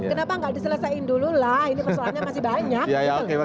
kenapa nggak diselesaikan dulu lah ini persoalannya masih banyak